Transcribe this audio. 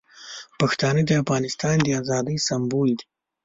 پښتانه د افغانستان د ازادۍ سمبول دي.